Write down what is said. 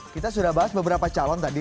kita sudah bahas beberapa calon tadi